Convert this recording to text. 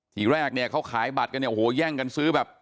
ทีแรกเนี่ยเขาขายบัตรกันเนี่ยโอ้โหแย่งกันซื้อแบบ